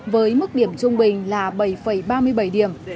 với mức điểm trung bình là bảy ba mươi bảy điểm